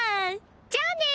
じゃあね